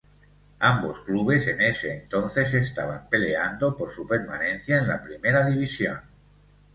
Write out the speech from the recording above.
Ambos clubes en ese entonces estaban peleando por su permanencia en la primera División.